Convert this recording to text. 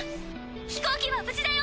飛行機は無事だよ！